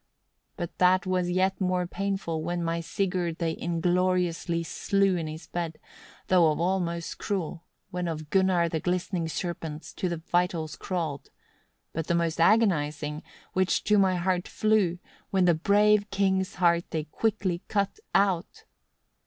17. "But that was yet more painful, when my Sigurd they ingloriously slew in his bed; though of all most cruel, when of Gunnar the glistening serpents to the vitals crawled; but the most agonizing, which to my heart flew, when the brave king's heart they while quick cut out.